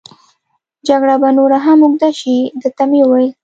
جګړه به نوره هم اوږد شي، ده ته مې وویل.